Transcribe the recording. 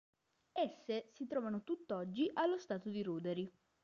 Esse si trovano tutt'oggi allo stato di ruderi.